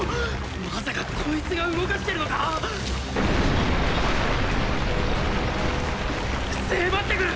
まさかこいつが動かしてるのか⁉迫ってくる！